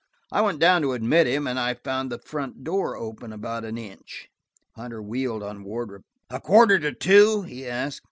I went down to admit him, and–I found the front door open about an inch." Hunter wheeled on Wardrop. "A quarter to two?" he asked.